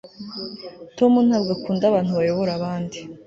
tom ntabwo akunda abantu bayobora abandi